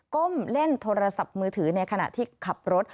ก้มเล่นโทรศัพท์มือถือในขณะที่ขับรถ